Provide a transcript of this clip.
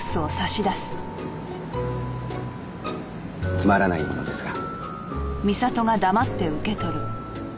つまらないものですが。